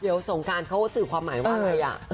เดี๋ยวสงการเขาสื่อความหมายว่าอะไรอ่ะ